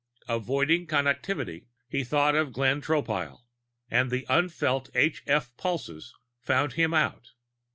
Avoiding Connectivity, he thought of Glenn Tropile and the unfelt h f pulses found him out.